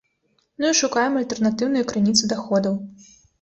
Ну і шукаем альтэрнатыўныя крыніцы даходаў.